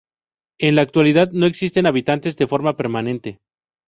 En la actualidad no existen habitantes de forma permanente.